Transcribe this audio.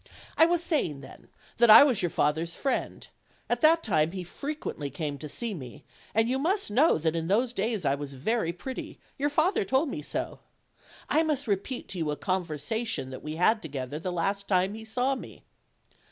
I was saying, then, that I was your father's friend; at that time he frequently came to see me, and you must know that in those days I was very pretty; your father told me so. I must repeat to you a conversation that we had together the last time he saw me."